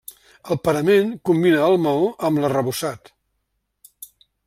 El parament combina el maó amb l'arrebossat.